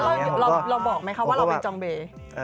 แล้วเราบอกไหมครับว่าเราเป็นจองเบย์